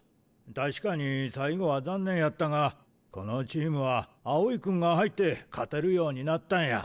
確かに最後は残念やったがこのチームは青井君が入って勝てるようになったんや。